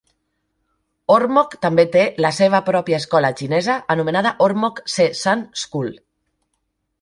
Ormoc també té la seva pròpia escola xinesa anomenada Ormoc Se San School.